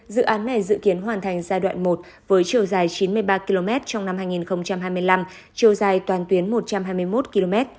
dự án này dự kiến hoàn thành giai đoạn một với chiều dài chín mươi ba km trong năm hai nghìn hai mươi năm chiều dài toàn tuyến một trăm hai mươi một km